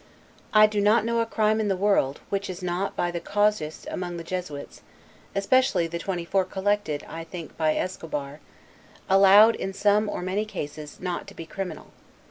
I do not know a crime in the world, which is not by the casuists among the Jesuits (especially the twenty four collected, I think, by Escobar) allowed, in some, or many cases, not to be criminal.